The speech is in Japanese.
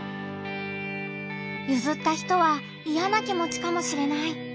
ゆずった人はイヤな気持ちかもしれない。